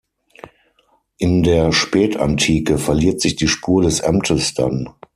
In der Spätantike verliert sich die Spur des Amtes dann.